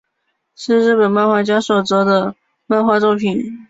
是日本漫画家所着的漫画作品。